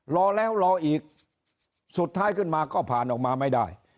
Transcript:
รอแล้วรออีกสุดท้ายขึ้นมาก็ผ่านออกมาไม่ได้